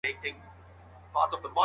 د کار ځای خوندیتوب ولي مهم دی؟